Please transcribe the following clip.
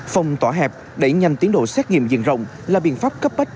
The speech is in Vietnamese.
phòng tỏa hẹp đẩy nhanh tiến độ xét nghiệm dừng rộng là biện pháp cấp bách